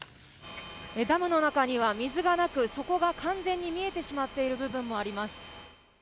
ダムの中には水がなく底が完全に見えてしまっている部分もあります。